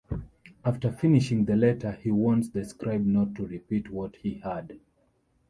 After finishing the letter he warns the scribe not to repeat what he heard.